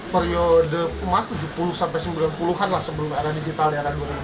periode kemas tujuh puluh sembilan puluh an lah sebelum era digital era dua ribu an lah